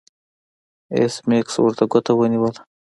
ایس میکس ورته ګوته ونیوله